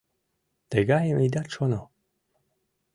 — Тыгайым идат шоно.